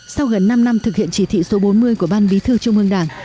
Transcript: sau gần năm năm thực hiện chỉ thị số bốn mươi của ban bí thư trung ương đảng